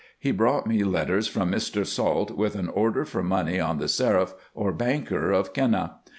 He brought me letters from Mr. Salt, with an order for money on the Seraf, or banker, of Kenneh.